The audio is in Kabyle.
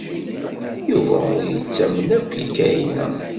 Yuba ur yettamen akk Kahina.